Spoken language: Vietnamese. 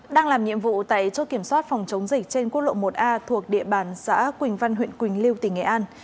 đang làm nhiệm vụ tại chốt kiểm soát phòng chống dịch trên quốc lộ một a thuộc địa bàn xã quỳnh văn huyện quỳnh lưu tỉnh nghệ an